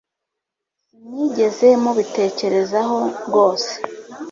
sinigeze mubitekerezaho rwose